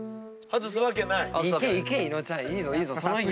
外すわけないです。